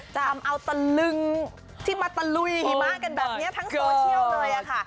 ทำเอาตะลึงที่มาตะลุยหิมะกันแบบนี้ทั้งโซเชียลเลยค่ะ